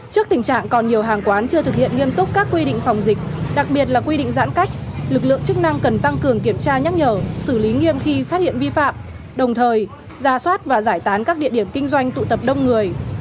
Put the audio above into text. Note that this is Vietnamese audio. trước tình trạng còn nhiều hàng quán chưa thực hiện nghiêm túc các quy định phòng dịch đặc biệt là quy định giãn cách lực lượng chức năng cần tăng cường kiểm tra nhắc nhở xử lý nghiêm khi phát hiện vi phạm đồng thời ra soát và giải tán các địa điểm kinh doanh tụ tập đông người